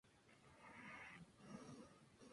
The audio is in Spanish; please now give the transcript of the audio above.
Hijo de Walter Owen, carpintero.